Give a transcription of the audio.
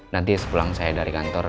nanti sepulang saya dari kantor